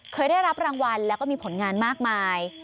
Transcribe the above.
เคยได้รับรางวัลแล้วก็มีผลงานมากมาย